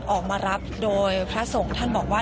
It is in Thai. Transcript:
ออกมารับโดยพระสงฆ์ท่านบอกว่า